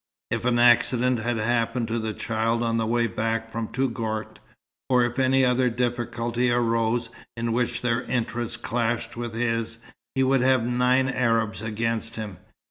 If an accident had happened to the child on the way back from Touggourt, or if any other difficulty arose, in which their interest clashed with his, he would have nine Arabs against him.